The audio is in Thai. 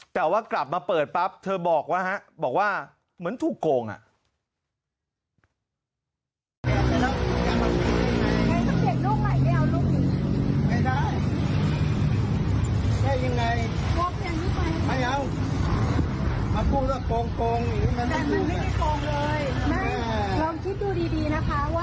แต่ว่ากลับมาเปิดปั๊บเธอบอกว่าบอกว่าเหมือนถูกโกงอ่ะ